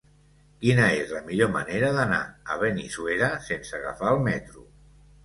Quina és la millor manera d'anar a Benissuera sense agafar el metro?